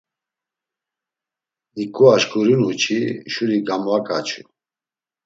Hiǩu aşǩurinu çi, şuri gamvaǩaçu.